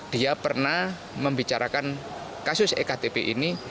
dia pernah membicarakan kasus ektp ini